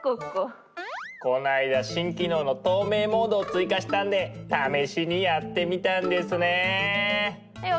この間新機能の透明モードを追加したんで試しにやってみたんですね。